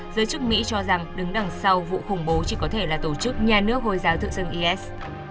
giới chức mỹ cho rằng đứng đằng sau vụ khủng bố chỉ có thể là tổ chức nhà nước hồi giáo tự xưng is